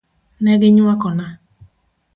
Ne gi nywakona .